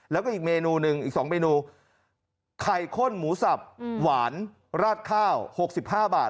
แล้วก็อีกเมนูหนึ่งอีก๒เมนูไข่ข้นหมูสับหวานราดข้าว๖๕บาท